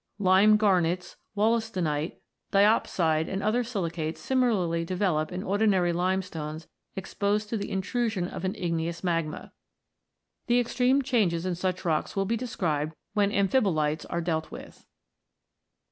Lime garnets, wollastonite, di opside, and other silicates similarly develop in ordinary limestones exposed to the intrusion of an igneous magma. The extreme changes in such rocks will be described when amphibolites are dealt with.